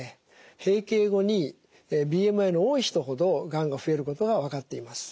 閉経後にＢＭＩの多い人ほどがんが増えることが分かっています。